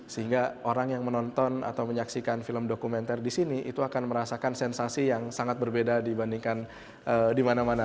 sehingga orang yang menonton atau menyaksikan film dokumenter di sini itu akan merasakan sensasi yang sangat berbeda dibandingkan di mana mana